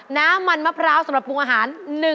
น้ำมันมะพร้าวสำหรับปรุงอาหาร